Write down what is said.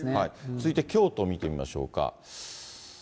続いて京都を見てみましょうか。